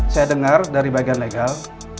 saya dengar dari bagian legal